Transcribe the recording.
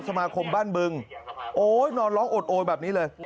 สมาคมบ้านบึงโอ้ยนอนร้องโอดโอยแบบนี้เลย